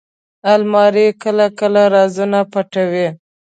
الماري کله کله رازونه پټوي